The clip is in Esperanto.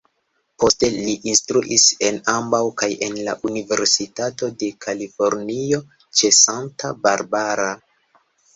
Poste li instruis en ambaŭ kaj en la Universitato de Kalifornio ĉe Santa Barbara.